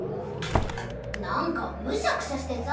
なんかむしゃくしゃしてさ。